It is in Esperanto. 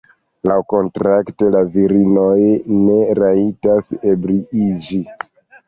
Laŭkontrakte la virinoj ne rajtas ebriiĝi.